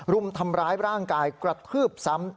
รุมทำร้ายร่างกายกระทืบซ้ำ